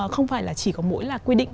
không phải là chỉ có mỗi là quy định